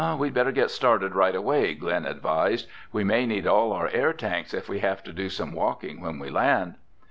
"We'd better get started right away," Glen advised. "We may need all our air tanks if we have to do some walking when we land."